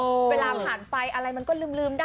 เวลาผ่านไปอะไรมันก็ลืมได้